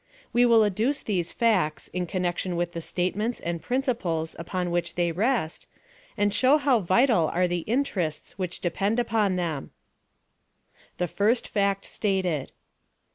We will ad duce these facts, in connection with the statements and piinciples upon which they rest, and show how vital are the interests which de}>end upon them. t^6 I 11 I L S O IMl Y t) F T H K THE FIRST FACT STATEU.